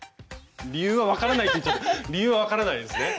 理由は分からないって理由は分からないですね？